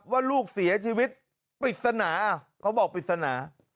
ว่าลูกเสียชีวิตปริศนาเขาบอกปริศนา